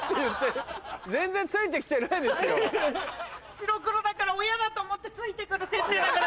白黒だから親だと思ってついて来る設定だから。